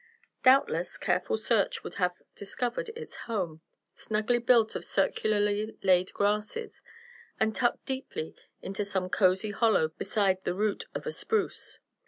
Doubtless, careful search would have discovered its home, snugly built of circularly laid grasses, and tucked deeply into some cozy hollow beside the root of a spruce.